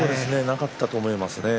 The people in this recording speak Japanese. なかったと思いますね。